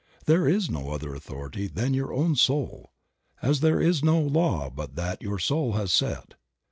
There is no other authority than your own soul, as "There is no law but that your soul has set."